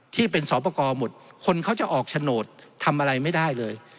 ที่เป็นสอบประกอบหมดคนเขาจะออกโฉนดทำอะไรไม่ได้เลย